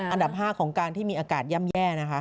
อันดับ๕ของการที่มีอากาศย่ำแย่นะคะ